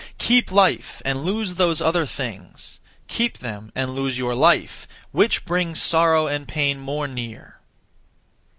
Keep life and lose those other things; Keep them and lose your life: which brings Sorrow and pain more near?